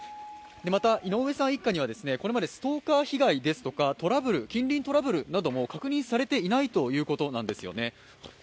井上さん一家にはこれまでストーカー被害ですとか近隣トラブルなども確認されていないということなんです。